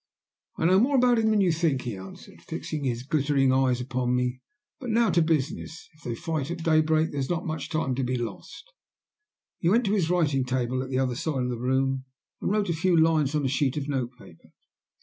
"I know more about him than you think," he answered, fixing his glittering eyes upon me. "But now to business. If they fight at daybreak there is not much time to be lost." He went to his writing table at the other side of the room and wrote a few lines on a sheet of note paper.